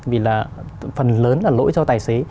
vì là phần lớn là lỗi cho tài xế